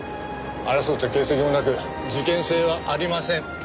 争った形跡もなく事件性はありません。